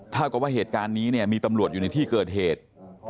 ถ้าเกาะว่าเหตุการณ์นี้มีตำรวจอยู่ในที่เกิดเหตุ